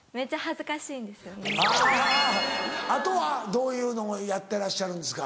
あとはどういうのをやってらっしゃるんですか？